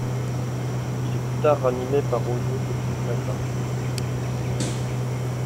Il est plus tard ranimé par Hōjō Tokimasa.